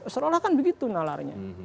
seolah olah kan begitu nalarnya